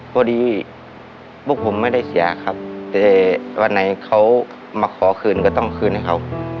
พอดีพวกผมไม่ได้เสียครับแต่วันไหนเขามาขอคืนก็ต้องคืนให้เขา